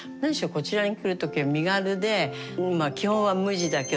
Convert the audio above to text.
こちらに来る時は身軽で基本は無地だけをそろえて。